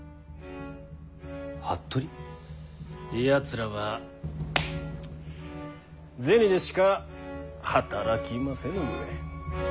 やつらは銭でしか働きませぬゆえ。